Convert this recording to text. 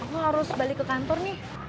kamu harus balik ke kantor nih